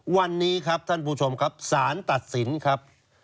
วันนี้ครับท่านผู้ชมครับสารตัดสินครับ